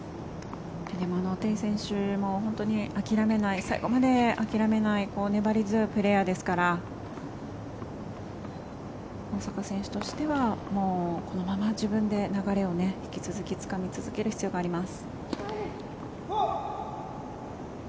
テイ選手も本当に諦めない最後まで諦めない粘り強いプレーヤーですから大坂選手としてはこのまま自分で流れを引き続きつかみ続ける必要があります。